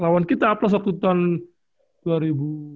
lawan kita aplos waktu tahun